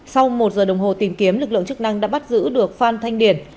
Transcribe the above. sau một giờ đồng hồ tìm kiếm lực lượng chức năng đã bắt giữ được phan thanh điền